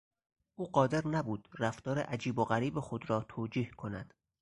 او قادر نبود رفتار عجیب و غریب خود را توجیه کند.